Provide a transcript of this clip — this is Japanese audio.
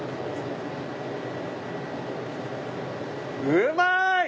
うまい！